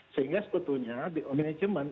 sehingga sebetulnya di management